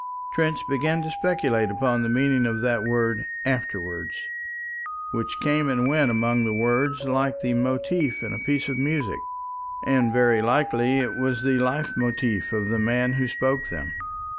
Trench began to speculate upon the meaning of that word "afterwards," which came and went among the words like the motif in a piece of music and very likely was the life motif of the man who spoke them.